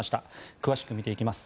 詳しく見ていきます。